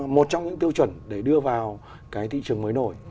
một trong những tiêu chuẩn để đưa vào cái thị trường mới nổi